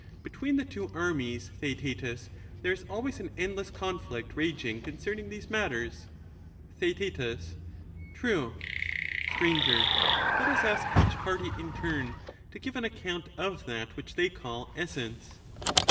Between the two armies, Theaetetus, there is always an endless conflict raging concerning these matters^ TheaeL True. Str. Let us ask each party in turn, to give an account of that which they call essence.